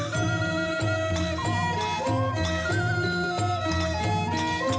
จริง